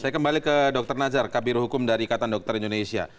saya kembali ke dokter nazar kabir hukum dari ikatan dokter indonesia